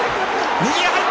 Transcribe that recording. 右が入った。